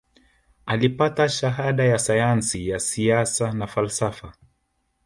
Alipata shahada ya sayansi ya siasa na falsafa